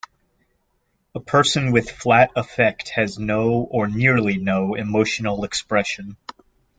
A person with flat affect has no or nearly no emotional expression.